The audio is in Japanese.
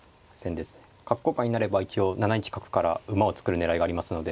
角交換になれば一応７一角から馬を作る狙いがありますので。